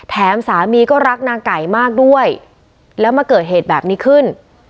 สามีก็รักนางไก่มากด้วยแล้วมาเกิดเหตุแบบนี้ขึ้น